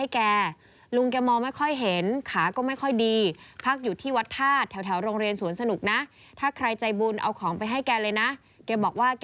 แกบอกว่าแกหนาว